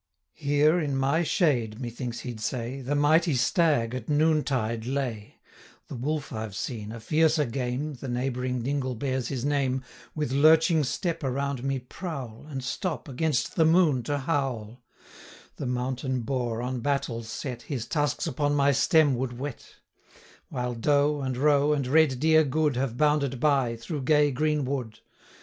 'Here, in my shade,' methinks he'd say, 'The mighty stag at noon tide lay: The wolf I've seen, a fiercer game, (The neighbouring dingle bears his name,) 25 With lurching step around me prowl, And stop, against the moon to howl; The mountain boar, on battle set, His tusks upon my stem would whet; While doe, and roe, and red deer good, 30 Have bounded by, through gay green wood.